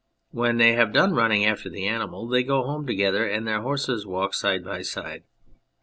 When they have done running after the animal they go home together, and their horses walk side by side.